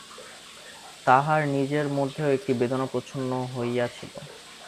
তাঁহার নিজের মধ্যেও একটি বেদনা প্রচ্ছন্ন হইয়া ছিল।